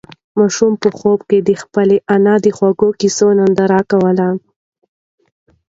ماشوم په خوب کې د خپلې انا د خوږو قېصو ننداره کوله.